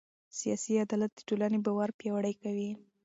سیاسي عدالت د ټولنې باور پیاوړی کوي